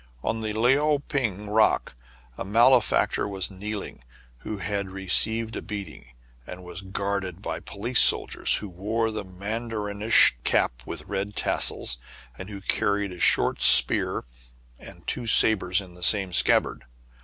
On the Leou Ping Rock a malefactor was kneeling, who had received a beating, and was guarded by police soldiers, who wore the Mandshurian cap with red tassels, and who carried a short spear and two sabres in the same scabbard.